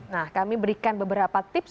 nah kami berikan beberapa tips